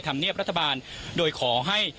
ธรรมเนียบรัฐบาลโดยขอให้